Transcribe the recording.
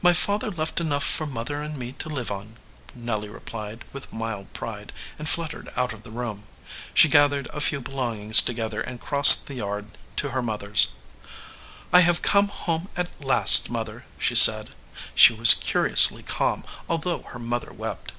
"My father left enough for mother and me to live on," Nelly replied, with mild pride, and flut tered out of the room. She gathered a few belong ings together and crossed the yard to her mother s. "I have come home at last, mother," she said. She was curiously calm, although her mother wept.